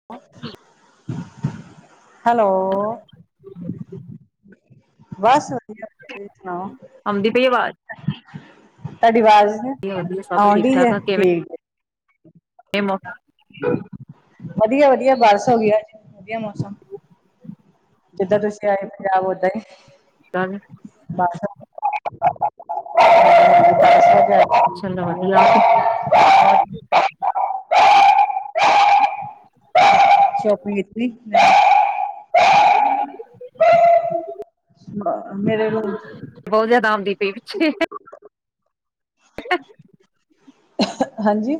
[unintelligible] Hello, ਬਸ ਵਧੀਆ। ਤੁਸੀ ਸੁਨਾਓ। ਆਉਂਦੀ ਪਈ ਆਵਾਜ਼ ਤਾਡੀ ਵਾਜ ਨੀ ਵਧੀਆ ਸਭ ਆਉਣ ਠੀਕ ਡਈ ਠਾਕ ਜੇ, ਆ ਕਿਵੇਂ ਠੀਕ। [unintelligible] ਵਦੀਆ-ਵਦੀਆ ਬਾਰਿਸ਼ ਹੋਗਈ ਵਧੀਆ ਮੌਸਮ। ਜਿੱਦਾਂ ਤੁਸੀਂ ਆਏ ਪੰਜਾਬ ਓਦਾਂ ਈ? [unintelligible] ਦਰਬਾਰ ਸੈਬ, ਦਰਬਾਰ ਸੈਬ ਜਾਨਾ? ਚਲੋ ਵਦੀਆ ਤੇ। [inaudible] ਸ਼ੋਪਿੰਗ ਕੀਤੀ? [inaudible] ਹਾਂ, ਮੇਰੇ ਰੂਮ ਬੋਤ ਜਾਦਾ ਆਮਦੀ ਪਏ ਪਿਛੇ। [unintelligible] ਹਾਂਜੀ।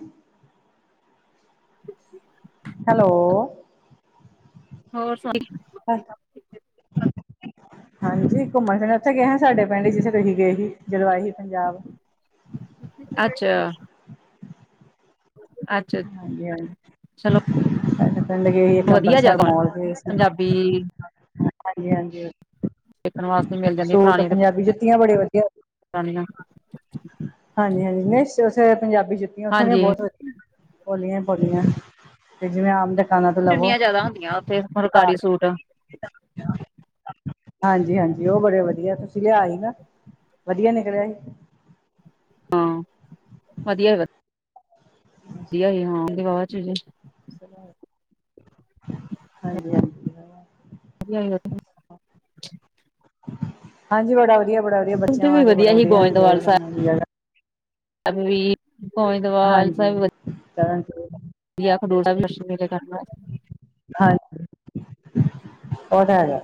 ਹੈਲੋ। ਹੋਰ ਸਾਰੇ ਹਾਂਜੀ, ਘੁੰਮਣ ਫਿਰਨ ਓਥੇ ਗਏ ਹਾਂ ਸਾਡੇ ਪਿੰਡ, ਜਿੱਥੇ ਤੁਸੀ ਗਏ ਸੀ ਜਦੋਂ ਆਏ ਸੀ ਪੰਜਾਬ। ਅੱਛਾ। ਅੱਛਾ। ਹਾਂਜੀ-ਹਾਂਜੀ ਚਲੋ [unintelligible] ਲਾਗੇ ਇੱਕ ਵਧੀਆ ਅੰਬਰਸਰ ਜਗ੍ਹਾ ਮੋਲ ਸੀ, ਪੰਜਾਬੀ ਹਾਂਜੀ-ਹਾਂਜੀ। ਦੇਖਣ ਵਾਸਤੇ ਮਿਲ ਜਾਂਦੀ ਸੂਟ, ਪੁਰਾਣੀਆਂ ਤੇ ਪੰਜਾਬੀ ਜੁੱਤੀਆਂ ਬੜੇ ਵਧੀਆ। ਪੁਰਾਣੀਆਂ ਹਾਂਜੀ-ਹਾਂਜੀ, ਨਈ ਓਥੇ ਪੰਜਾਬੀ ਜੁੱਤੀਆਂ ਓਥੋ ਦੀਆਂ ਹਾਂਜੀ ਬੋਤ ਵਦੀਆ। ਪੋਲੀਆਂ ਈ ਪੋਲੀਆਂ ਤੇ ਜਿਵੇਂ ਆਮ ਦੇ ਦੁਕਾਨਾਂ ਤੋ ਲਵੋ ਚੁੰਨੀਆਂ ਜਿਆਦਾ ਹੁੰਦੀਆਂ ਉੱਥੇ ਫੁਲਕਾਰੀ ਸੂਟ ਹਾਂਜੀ-ਹਾਂਜੀ, ਓ ਬੜੇ ਵਧੀਆ ਤੁਸੀ ਲਿਆ ਸੀ ਨਾ ਵਧਦੀਆ ਨਿਕਲਿਆ ਹੀ। ਹਾਂ, ਵਦੀਆ ਗੱਲ। ਵਦੀਆ ਹੀ ਹੋਵਾਂਗੇ ਵਾਵਾ ਚੇਰ ਦੇ। ਹਾਂਜੀ-ਹਾਂਜੀ। ਵਧੀਆ ਹਾਂਜੀ, ਬੜਾ ਵਧੀਆ, ਬੜਾ ਵਧੀਆ, ਉਥੇ ਬੱਚਿਆਂ ਵੀ ਵਾਸਤੇ ਬੜਾ ਹੀ ਵਧੀਆ ਇੰਜੋਏ ਕਰਨਾ। ਅ ਵੀ ਗੋਇੰਦਵਾਲ ਹਾਂਜੀ, ਤਰਨ ਤੁਰਨ ਖਡੋਸਾ ਵੀ ਮੇਲੇ ਕਰ ਹਾਂਜੀ। ਉਹ ਹੈ ਗਾ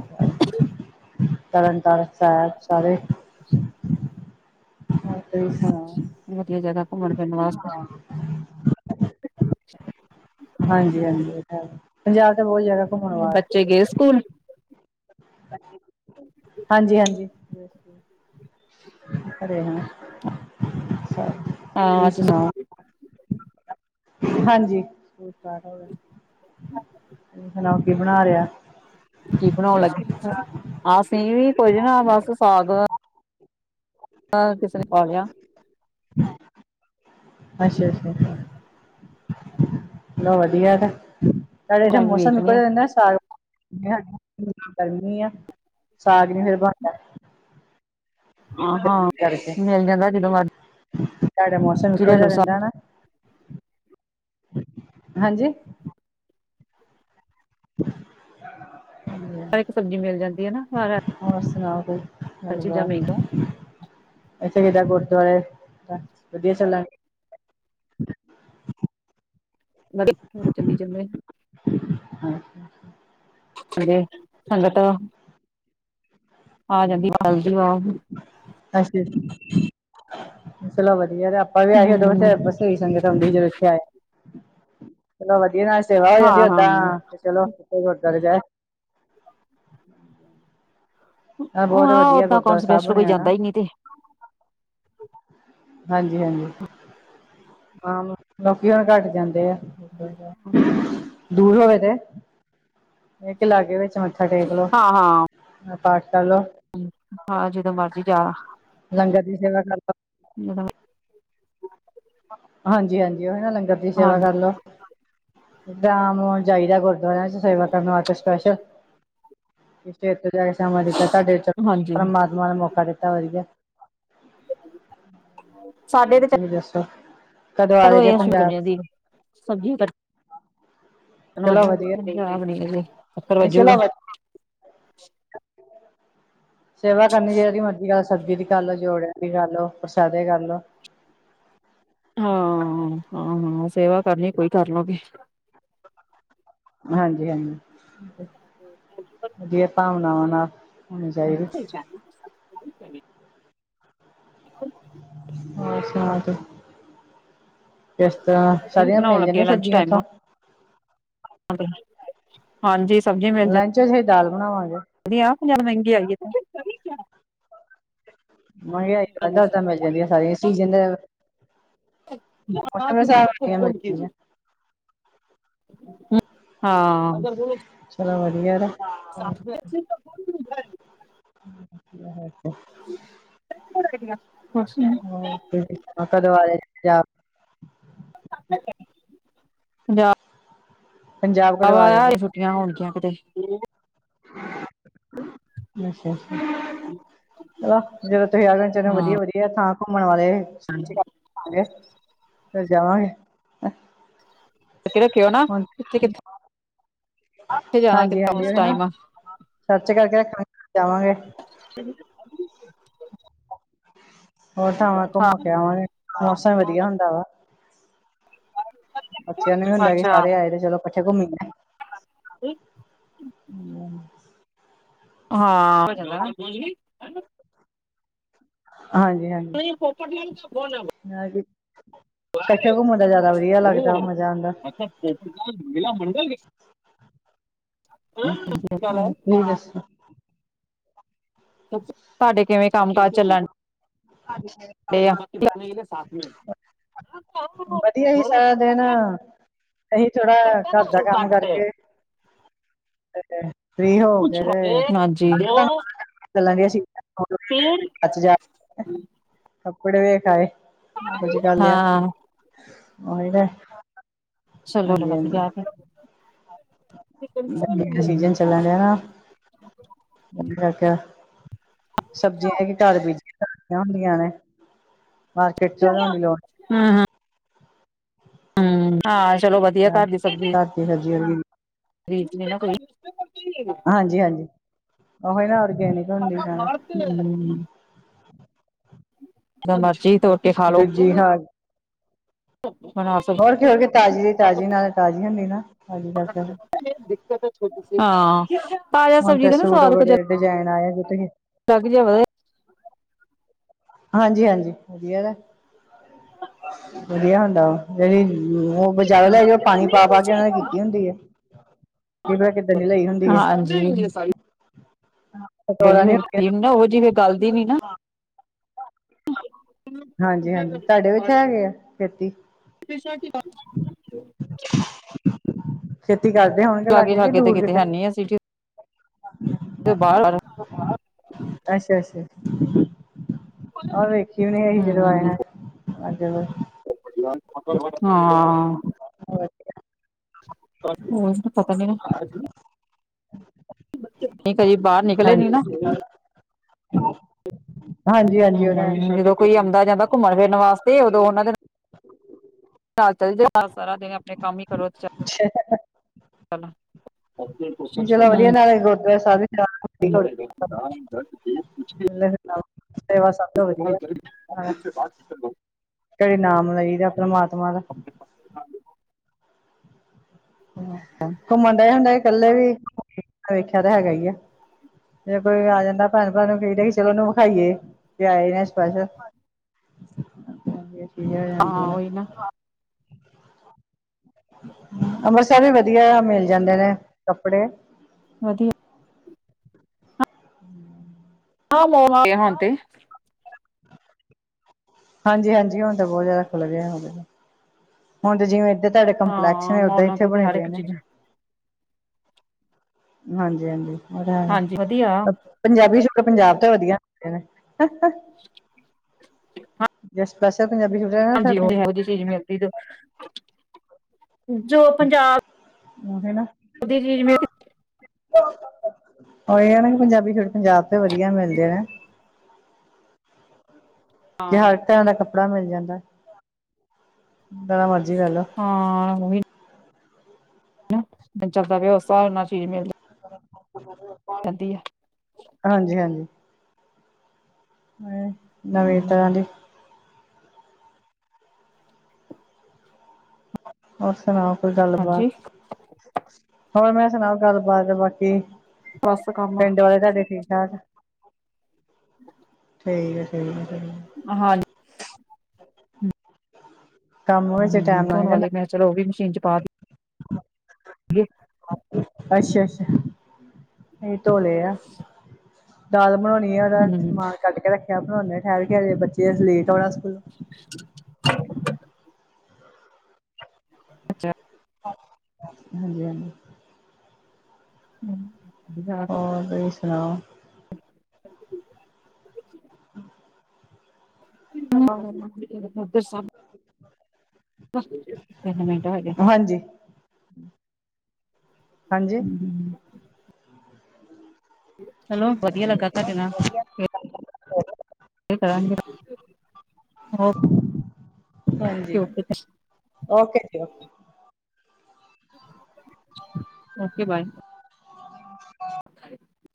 ਤਰਨ ਤਾਰਨ ਸਾਹਿਬ ਸਾਰੇ। ਹੋਰ ਪਾਈ ਸੁਣਾ ਵਧੀਆ ਜਗ੍ਹਾ ਘੁੰਮਣ ਫਿਰਨ ਵਾਸਤੇ। ਹਾਂਜੀ, ਹਾਂਜੀ ਉਹ ਤਾਂ ਹੈ ਪੰਜਾਬ ਤਾਂ ਬਹੁਤ ਜਿਆਦਾ ਘੁੰਮਣ ਵਾਸਤੇ। ਬੱਚੇ ਗਏ ਸਕੂਲ। ਹਾਂਜੀ, ਹਾਂਜੀ। ਬੱਸ ਅਰੇ ਹਨ ਸਬ ਹਾਂ ਤੁਸੀਂ ਅੱਜ ਸੁਣਾਓ। ਹਾਂਜੀ। ਤੁਸੀ ਸੁਣਾਓ ਕਿ ਬਣਾ ਰਿਹਾ। ਕੀ ਬਣਾਉਣ ਲੱਗੇ ਅਸੀਂ ਵੀ ਕੁੱਝ ਨਾ ਬਸ ਸਾਗ ਕਿਸੇ ਨੇ ਪਾ ਲਿਆ। ਅੱਛਾ, ਅੱਛਾ। ਚਲੌ ਵਧੀਆ ਨਾ, ਨਾਲੇ ਇੱਥੇ ਟਾਈਮ ਮੌਸਮ ਇਕੋ ਵੇਖਣੇ ਜਿਹਾ ਰਹੰਦਾ ਸਾਗ਼ ਗਰਮੀ ਆ ਸਾਗ ਨੀ ਫੇਰ ਬਨਦਾ। ਹਾਂ, ਹਾਂ ਮਿਲ ਜਾਂਦਾ ਜਦੋਂ ਮਰਜ਼ ਤੁਹਾਡਾ ਮੌਸਮ ਇਹੋ ਜਿਹਾ ਰਹਿੰਦਾ ਨਾ ਹਾਂਜੀ। [inaudible] ਹਰ ਇੱਕ ਸਬਜ਼ੀ ਮਿਲ ਜਾਂਦੀ ਹੈ ਤਾਂ ਕਰਕੇ ਹੋਰ ਸੁਣਾਓ ਤੁਸੀ ਗੱਲ ਬਾਤ ਅੱਛਾ ਕੀਦਾ ਗੁਰਦੁਆਰੇ ਵਧੀਆ ਚੱਲਾਂਗੇ ਵਰ ਚੱਲੀ ਜਾਂਦਾ ਆ। ਚੱਲੋ ਸੰਗਤ ਆ ਜਾਂਦੀ ਆ ਅੱਛਾ। ਚਲੋ ਵਧੀਆ ਯ ਆਪਾਂ ਵੀ ਆਈਏ ਹਮ ਤਾਂ ਬਸ ਇਹ ਸੰਗਤ ਦ ਵੇਖਿਆ ਹੈ। ਚਲੋ ਵਧੀਆ ਨਾਲ ਸੇਵਾ ਹੋ ਹਾਂ ਜਾਂਦੀ ਹਾਂ ਓਦਾਂ ਤੇ ਚਲੋ ਜਾ ਆ ਬਹੁਤ ਹਾਂ ਵਧੀਆ ਓਦਾਂ ਕੌਣ ਗੁਰਦੁਆਰਾ ਸਾਹਿਬ ਸਪੈਸ਼ਲ ਕੋਈ ਬਣਿਆ ਨਾ ਜਾਂਦਾ ਈ ਨੀ ਤੇ ਹਾਂਜੀ, ਹਾਂਜੀ। ਹਾਂ, ਲੋਕੀ ਹੁਣ ਘੱਟ ਜਾਂਦੇ ਆ। ਦੂਰ ਉਹਵੇ ਤੇ ਇੱਕ ਲਾਗੇ ਵਿੱਚ ਮੱਥਾ ਟੇਕ ਲੋ ਹਾਂ ਹਾਂ ਪਾਠ ਕਰ ਲੋ। ਹਾਂ ਜਦੋਂ ਮਰਜੀ ਜਾ। ਲੰਗਰ ਦੀ ਸੇਵਾ ਕਰਲੋ ਜ ਹਾਂਜੀ, ਹਾਂਜੀ। ਉਹ ਨਾ ਲੰਗਰ ਦੀ ਸੇਵਾ ਹਾਂਜੀ ਕਰਲੋ। ਸ਼ਾਮ ਨੂੰ ਜਿਯੇਦਾ ਗੁਰਦੁਆਰਿਆਂ ਚ ਸੇਵਾ ਕਰਨ ਵਾਸਤੇ ਸਪੈਸ਼ਲ। ਸਵੇਰ ਤੋਂ ਜਾ ਕੇ ਸਮਾਂ ਦਿੱਤਾ ਤੁਹਾਡੇ ਹਾਂਜੀ ਪਰਮਾਤਮਾ ਨੇ ਮੌਕਾ ਦਿੱਤਾ ਵਧੀਆ। ਹਾਂ। ਤੁਹੀ ਦੱਸੋ ਕਦੋਂ ਆ ਰੇ ਚਲੋ ਜੇ ਇਹ ਪੰਜਾਬ? ਸਬਜ਼ੀਆਂ ਦੀ ਚਲੋ ਵਧੀਆ ਨਹੀਂ ਚਲੋ ਵ [unintelligible] ਸੇਵਾ ਕਰਨੀ ਜੇੜੀ ਮਰਜ਼ੀ ਕਰ ਸਬਜੁ ਦੀ ਕਰ ਲੋ, ਜੋੜਿਆਂ ਦੀ ਕਰ ਲੋ, ਪ੍ਰਸਾਦੇ ਕਰ ਲੋ। ਹਾਂ-ਹਾਂ-ਹਾਂ। ਸੇਵਾ ਕਰਨੀ, ਕੋਈ ਕਰ ਲੋ ਬੀ ਹਾਂਜੀ-ਹਾਂਜੀ। ਵਧੀਆ ਭਾਵਨਾਵਾਂ ਨਾਲ ਹੋਣੀ ਚਾਹੀਦੀ [unintelligible] [inaudible] ਹੋਰ ਸੁਨਾੳ, ਕਿਸ ਤਰਾਂ, ਕੀ ਸਾਰੀਆਂ ਬਣਾਉਣ ਮਿਲ ਲੱਗੇ ਜਾਂਦੀਆਂ ਲੰਚ ਸਬਜੀਆਂ ਟਾਈਮ ਏਥੋਂ। ਹਾਂਜੀ। ਸਬਜ਼ੀ ਮਿਲ ਜ ਅਸੀ ਦਾਲ ਬਨਾਵਾਂਗੇ ਸਾਡੀ ਆਪ ਪੰਜਾਹ ਰੁਪਏ ਮਹੰਗੀ ਆਈ ਏ ਮਹੰਗਾਈ ਏਦਾਂ ਏਦਾਂ ਮਿਲ ਜਾਂਦੀਆਂ ਸਾਰੀਆਂ ਸੀਜਨ ਦੇ ਮੌਸਮ ਦੇ ਹਿਸਾਬ ਨਾਲ ਮਿਲ ਜਾਂਦੀਆਂ [unintelligible] ਹਾਂ ਚਲੋ ਵਧੀਆ ਵਾ। ਸ [unintelligible] [unintelligible] [unintelligible] ਕਦੋਂ ਆ ਰੇ ਪੰਜਾਬ? [unintelligible] ਪੰਜਾਬ ਕਦੋਂ ਆ ਰਹੇ ਆਵਾਂਗੇ ਛੁੱਟੀਆਂ ਹੋਨਗੀਆਂ ਕਿਤੇ [inaudible] [inaudible] ਜੇ ਅੱਛਾ, ਜਦੋਂ ਤੁਸੀ ਆਜੋ ਏਥੇ ਹਾਂ ਵਧੀਆ- ਵਧੀਆ ਥਾਂ ਘੁੰਮਣ ਵਾਲੇ। [unintelligible] ਫੇਰ ਜਾਵਾਂਗੇ ਰੱਖਿਓ ਨਾ ਕਿੱਥੇ-ਕਿਥੇ ਹਾਂਜੀ-ਹਾਂਜੀ। ਉਸ ਹੁਨੇ ਨਾ ਟਾਈਮ ਚਾਚੇ ਘਰ ਆਂਵਾਂਗੇ [unintelligible] ਹੋਰ ਥਾਵਾਂ ਹਾਂ ਘੁੰਮ ਕੇ ਆਵਾਂਗੇ, ਮੌਸਮ ਵਧੀਆ ਹੁੰਦਾ ਵਾ। ਬੱਚੇਆਂ ਨੂੰ ਵੀ ਹੁੰਦਾ ਕਿ ਅੱਛਾ ਸਾਰੇ ਆਏ ਦੇ ਚਲੋ ਕੱਠੇ ਘੁੰਮੀਏ। [inaudible] ਹਾਂ ਹਾਂਜੀ- ਹਾਂਜੀ। [unintelligible] ਕੱਠੇ ਘੁੰਮਣ ਦਾ ਜਾਦਾ ਵਧੀਆ ਲੱਗਦਾ ਵਾ, ਮਜਾ ਆਂਦਾ। [unintelligible] [unintelligible] ਤਾਡੇ ਕਿਵੇਂ ਕੰਮ ਕਾਜ ਚੱਲਣ ਹਾਂਜੀ। [unintelligible] ਵਧੀਆ ਜੀ, ਸਾਰਾ ਦਿਨ ਅਸੀਂ ਥੋੜਾ ਘਰ ਦਾ ਕੰਮ ਕਰਕੇ ਫਰੀ ਹੋ ਕੇ ਤੇ [unintelligible] ਕਰ ਲੇਆ, ਹਾਂ ਉਈ ਤੇ ਹਾਂਜੀ ਹਾਂਜੀ [unintelligible] ਹੂੰ [unintelligible] ਸੀਜਨ ਚੱਲਣ ਡਹਾ ਨਾ [unintelligible] ਸਬਜ਼ੀਆਂ ਐਹੀਂ ਘਰ ਬੀਜੀਆਂ ਹੁੰਦੀਆਂ ਨੇ ਮਾਰਕੀਟ ਚ ਲਿਆਉਣ ਦੀ ਲੋੜ ਹਾਂ ਹਾਂ ਹਮ ਹਾਂ ਚਲੋ ਵਧੀਆ ਘਰ ਦੀ ਸਬਜ਼ੀ ਦੀ ਸਬਜ਼ੀ ਵਰਗੀ ਰੀਤ ਨਹੀਂ ਨਾ ਕੋਈ ਹਾਂਜੀ ਹਾਂਜੀ ਉਹੀ ਨਾ ਔਰਗੈਨਿਕ ਹੁੰਦੀ ਹਾਂ ਹਮਮਮ ਜਦੋਂ ਮਰਜ਼ੀ ਤੋਰ ਬਿੱਜੀ ਘਰ ਬਣਾ ਸਬ ਹੋਰ ਕੀ ਹੋਰ ਕਿ ਤਾਜ਼ੀ ਤਾਜ਼ੀ ਨਾਲ ਤਾਜ਼ੀ ਹੁੰਦੀ ਨਾ ਹਾਂਜ਼ੀ ਬੱਸ ਫੇਰ [unintelligible] ਹਾਂ ਤਾਜ਼ਾ ਸਬਜ਼ੀ ਦਾ ਨਾ ਸਵਾਦ ਕੁੱਝ ਡਜੈਣ ਆਯਾ [unintelligible] ਲੱਗ ਜਾ ਵ ਹਾਂਜੀ ਹਾਂਜੀ ਵਧੀਆ ਨਾ ਵਧਿਆ ਹੁੰਦਾ ਵ ਜਿਹੜੀ ਉਹ ਬਜ਼ਾਰੋਂ ਲੈ ਕੇ ਆਉ ਪਾਣੀ ਪਾ ਪਾ ਕੇ ਉਣਾਣੇ ਕੀਤੀ ਹੁੰਦੀ ਹੈ ਕਿ ਪਤਾ ਕਿੱਦਾਂ ਦੀ ਲਈ ਹੁੰਦੀ ਏ ਹਾਂਜੀ [unintelligible] ਔਹੋ ਜੀ ਫੇ ਗੱਲਦੀ ਨੀ ਨਾ ਹਾਂਜੀ ਹਾਂਜੀ ਤਾਡੇ ਵਿੱਚ ਹੈਗੇ ਐ ਖੇਤੀ ਤੁਸੀ ਅੱਜ ਕੀ ਪਾਣਾ ਖੇਤੀ ਕਰਦੇ ਹੋਣਗੇ ਲਾਗੇ ਕਿ ਸ਼ਾਗੇ ਤੇ ਦੂਰ ਕਿਤੇ ਹੈ ਨੀ ਐ ਸੀਟੀ ਤੋਂ ਬਾਹਰ ਲਗ ਐਸੇ ਐਸੇ ਐ ਵੇਖੀ ਵੀ ਨੀ ਅਹੀ ਜਦੋਂ ਆਏ ਹਮ ਨੇ ਅੱਜ ਹੋਹ ਹਾਂ ਹੋਰ ਤੇ ਪਤਾ ਨਹੀਂ ਨਹੀਂ ਕਈ ਬਾਰ ਹਾਂਜ ਹਾਂਜੀ ਹਾਂਜੀ ਔ ਤਾਂ ਹੈਗਾ ਹਮ ਜਦੋਂ ਕੋਈ ਆਉਂਦਾ ਜਾਂਦਾ ਘੁੰਮਣ ਫਿਰਨ ਵਾਸਤੇ ਔਦੋਂ ਔਨਾਂ ਦੇ ਨਾ [unintelligible] ਆਂਪਾ ਸਾਰਾ ਦਿਨ ਆਪਣੇ ਕੰਮ ਈ ਕਰੋ ਤੇ ਚਲੋ ਵਦਿਆ ਹੂੰ, ਸਾਰੇ ਗੁਰਦਵਾਰੇ ਸੈਬ ਵੀ ਨਾਲ [unintelligible] ਸੇਵਾ ਸਬ ਤੋਂ ਵਧੀਆ ਹੈ ਕਦੇ ਨਾਮ ਲਈ ਦੈ ਪਰਮਾਤਮਾ ਦਾ ਘੂੰਮਣ ਡਯੇ ਹੁੰਦੇ ਈ ਕੱਲੇ ਵੀ ਵੇਖਿਯਾ ਤਾਂ ਹੈਗਾ ਈ ਐ ਜੇ ਕੋਈ ਆ ਜਾਂਦਾ ਭੈਣ ਭਰਾ ਨੂੰ ਕਈ ਦਾ ਹੈ ਕੀ ਚਲੋ ਉਹਨੂੰ ਵਿਖਾਈਏ ਐ ਆਏ ਐ ਸਪੈਸ਼ਲ ਵਧੀਆ ਠੀਕ ਹੈ ਹਾਂ ਚਲੋ ਉਹੀ ਨਾ ਅੰਮ੍ਰਿਤਸਰ ਵੀ ਵਦਿਆ ਆ ਮਿਲ ਜਾਂਦੇ ਨੇ ਕੱਪੜੇ ਵਧੀਆ [unintelligible] ਪਏ ਹੋਣ ਤੇ ਹਂਜੀ ਹਂਜੀ ਹੁਣ ਤਾਂ ਬੋਤ ਜਾਦਾ ਖੁੱਲ ਗਿਆ ਹੈਗਾ ਹੁਣ ਤੇ ਜਿਵੇਂ ਏਦਰ ਤੁਹਾਡੇ ਕੰਪਲੈਕਛ ਹਾਂ ਔਦਾਂ ਹੀ ਮੋਲਾਂ ਐਥੇ ਤੋਂ ਤੇ ਬਣੇ ਹਰ ਪਏ ਇੱਕ ਨੇ ਚੀਜ਼ ਹਾਂਜੀ ਹਾਂਜੀ ਔ ਤਾਂ ਹੈਗਾ ਹਾਂਜੀ ਵਧੀਆ [unintelligible] ਪੰਜਾਬੀ ਛੂਟ ਪੰਜਾਬ ਤੋਂ ਵਧੀਆ ਹੁੰਦੇ ਨੇ ਜੈ ਸਪੈਸ਼ਲ ਪੰਜਾਬੀ ਸੂਟ ਨਾ ਫਿਰ ਹਾਂਜੀ, ਓ ਤੇ ਹੈ ਪੰਜਾਬ ਬੋਤੀ ਚੀਜ਼ ਮਿਲਦੀ ਜੋ ਜੋ, ਪੰਜਾਬ ਔ ਹੈਨਾ ਹਵੇਲੀ ਜਿਵੇਂ ਓਇਓ ਨਾ, ਪਂਜਾਬੀ ਜੇੜੇ ਪੰਜਾਬ ਤੋ ਵਧੀਆ ਮਿਲਦੇ ਨੇ। ਤੇ ਹਾਂ ਹਰ ਤਰ੍ਹਾਂ ਦਾ ਕੱਪੜਾ ਮਿਲ ਜਾਂਦਾ ਜੇੜਾ ਮਰਜੀ਼ ਲੈ ਲੋ। ਹਾਂ ਓਈ ਹੈਨਾ ਬੱਚਿਆਂ ਬਾਰੇ ਓਸ‌ ਸਾਬ ਨਾਲ ਚੀਜ਼ ਮਿਲਦੀ [inaudible] ਵਧੀਆ। ਹਂਜੀ-ਹਾਂਜੀ। ਮੈਂ ਨਵੀਂ ਤਰਾ ਦੀ ਹੂੰ ਹੋਰ ਸੁਣਾਓ ਕੋਈ ਹਾਂਜੀ ਗੱਲ-ਬਾਤ। ਹੋਰ ਮੈ ਸੁਣਾਓ ਗੱਲਬਾਤ ਬਾਕੀ ਬਸ ਕੰਮ ਪਿੰਡ ਵਾਲੇ ਤੁਆਡੇ ਠੀਕ ਬਸ ਹਮ [inaudible] ਠੀਕ-ਠੀਕ-ਠੀਕ। ਹਾਂਜ ਕੰਮ ਵਿੱਚ ਹੂੰ ਟੈਮ ਲੰਘ ਧੋਣ ਵਾਲੀ ਜਾਂਦਾ। ਮੈਂ ਚਲੋ ਓ ਵੀ ਮਸ਼ੀਨ ਚ ਪਾਕੇ ਅੱਛਾ-ਅੱਛਾ, ਨਈ ਧੋਲੇ ਐ। ਦਾਲ ਬਣਾਓਣੀ ਆ ਓਦਾ ਹੂੰ ਸਮਾਨ ਕੱਟ ਕੇ ਰੱਖਿਆ ਬਣਾਓਣੇ ਠੈਰ ਕੇ ਹਜੇ ਬੱਚੇ ਲੇਟ ਆਓਣਾ ਸਕੂਲਓ। ਅੱਛਾ। ਹਾਂਜੀ-ਹਾਂਜੀ। ਹੂੰ ਅੱਜ ਦਾ। ਹੋਰ ਤੁਸੀਂ ਸੁਣਾਓ। [inaudible] ਹੂੰ। [inaudible] ਤਿੰਨ ਮਿੰਟ ਹੋਗੇ। ਹਾਂਜੀ ਹਾਂਜੀ ਚਲੋ ਵਧੀਆ ਲੱਗਾ ਤੁਆਡੇ ਨਾਲ ਤੇ ਕਰਂਗੇ। ਓਕੇ ਹਾਂਜੀ ਓਕੇ ਓਕੇ ਜੀ ਓਕੇ। Okay bye. [unintelligible] [inaudible]